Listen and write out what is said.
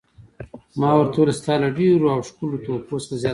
ما ورته وویل: ستا له ډېرو او ښکلو تحفو څخه زیاته مننه.